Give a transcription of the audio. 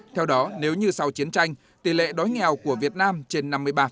theo đó nếu như sau chiến tranh tỷ lệ đói nghèo của việt nam trên năm mươi ba